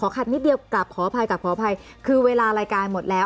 ขอขัดนิดเดียวกลับขออภัยคือเวลารายการหมดแล้ว